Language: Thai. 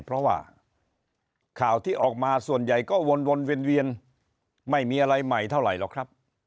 เพราะว่าข่าวที่ออกมาส่วนใหญ่ก็วนเวียนไม่มีอะไรใหม่เท่าไหร่หรอกครับ